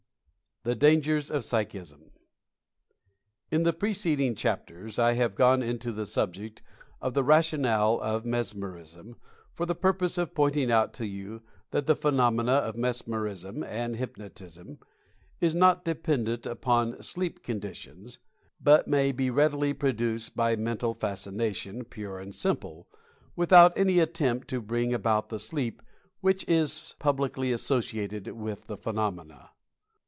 THE DANGERS OF PSYCHISM. In the preceding chapters I have gone into the sub ject of the rationale of Mesmerism, for the purpose of pointing out to you that the phenomena of Mes merism and Hypnotism is not dependent upon "sleep conditions," but may be readily produced by Mental Fascination, pure and simple, without any attempt to bring about the "sleep" which is publicly associated with the phenomena.